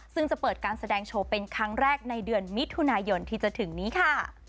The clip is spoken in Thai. ซึ่งจะเปิดการแสดงโชว์เป็นครั้งแรกในเดือนมิถุนายนที่จะถึงนี้ค่ะ